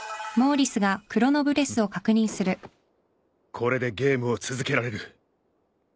これでゲームを続けられる。